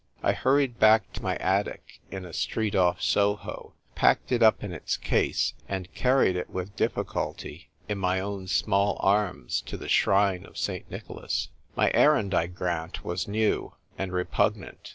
I hurried back to my altic in a street off Soho, packed it up in its case, and carried it with difficulty in my own small arms to the shrine of St. Nicholas. My errand, I grant, was new, and repug nant.